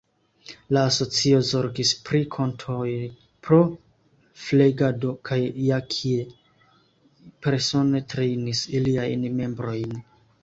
La asocio zorgis pri kontoj pro flegado kaj Jackie persone trejnis iliajn membrojn.